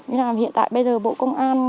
nhưng mà hiện tại bây giờ bộ công an